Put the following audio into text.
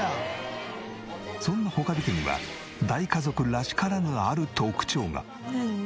そんな穂苅家には大家族らしからぬある特徴が。